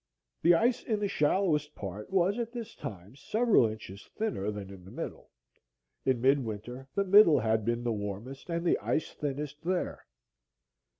The ice in the shallowest part was at this time several inches thinner than in the middle. In mid winter the middle had been the warmest and the ice thinnest there.